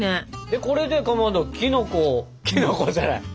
でこれでかまどきのこをきのこじゃない！